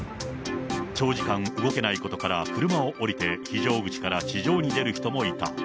長時間動けないことから、車を降りて非常口から地上に出る人もいた。